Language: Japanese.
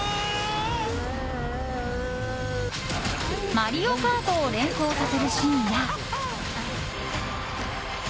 「マリオカート」を連想させるシーンや。